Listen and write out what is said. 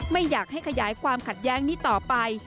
ไม่อยากให้ขยายความขัดแย้งนี้ต่อไป